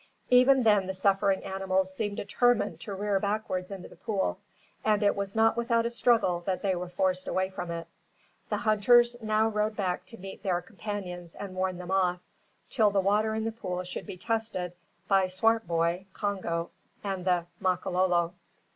Even then the suffering animals seemed determined to rear backwards into the pool; and it was not without a struggle that they were forced away from it. The hunters now rode back to meet their companions and warn them off, till the water in the pool should be tested by Swartboy, Congo, and the Makololo.